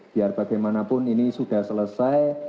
biar bagaimanapun ini sudah selesai